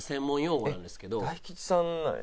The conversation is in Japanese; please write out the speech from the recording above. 大吉さんなんや。